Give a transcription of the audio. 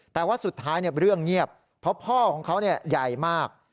แต่ว่าสุดท้ายเรื่องเงียบเพราะพ่อของเขาใหญ่มาก